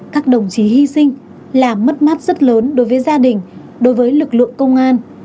các đồng chí hy sinh là mất mát rất lớn đối với gia đình đối với lực lượng công an